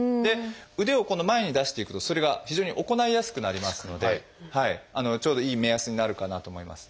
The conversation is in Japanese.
腕を今度前に出していくとそれが非常に行いやすくなりますのでちょうどいい目安になるかなと思います。